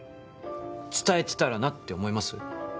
伝えてたらなって思います？